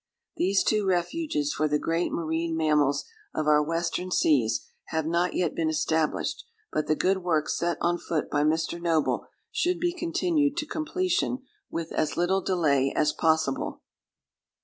These two refuges for the great marine mammals of our western seas have not yet been established, but the good work set on foot by Mr. Noble should be continued to completion with as little delay as possible.